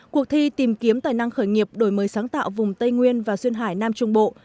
cuộc thi tìm kiếm tài năng khởi nghiệp đổi mới sáng tạo vùng tây nguyên và duyên hải nam trung bộ